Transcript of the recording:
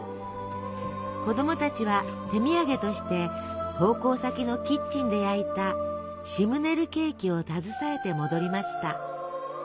子どもたちは手土産として奉公先のキッチンで焼いたシムネルケーキを携えて戻りました。